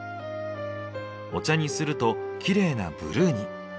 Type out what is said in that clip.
お茶にするとキレイなブルーに。